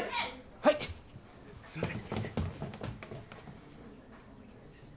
はいすいません。